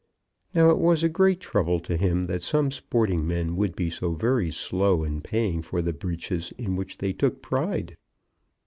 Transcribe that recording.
Now, it was a great trouble to him that some sporting men would be so very slow in paying for the breeches in which they took pride!